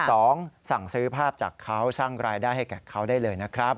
สองสั่งซื้อภาพจากเขาสร้างรายได้ให้แก่เขาได้เลยนะครับ